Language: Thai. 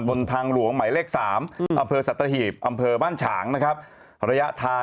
บนทางหลวงหมายเลข๓อำเภอสัตอหิต